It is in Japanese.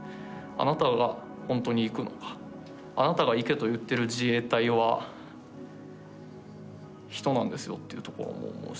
あなたがほんとに行くのかあなたが行けと言ってる自衛隊は人なんですよというところも思うし。